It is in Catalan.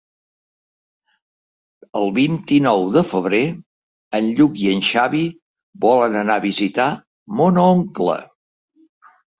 El vint-i-nou de febrer en Lluc i en Xavi volen anar a visitar mon oncle.